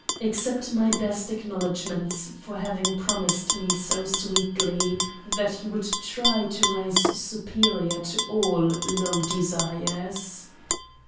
Accept my best Acknowledgments for having promised me so sweetly that you would try to rise superior to all low Desires.